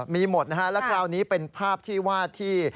มีหมดนะฮะแล้วคราวนี้เป็นภาพที่ว่าที่